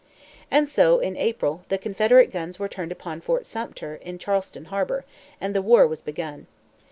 And so, in April, the Confederate guns were turned upon Fort Sumter in Charleston harbor, and the war was begun.